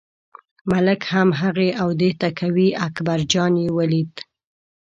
ملک هم هغې او دې ته کوي، اکبرجان یې ولیده.